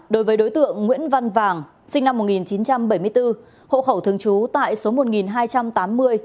đối với đối tượng nguyễn văn vàng sinh năm một nghìn chín trăm bảy mươi bốn hộ khẩu thường trú tại số một nghìn hai trăm tám mươi